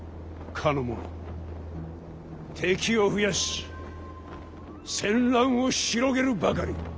かの者敵を増やし戦乱を広げるばかり。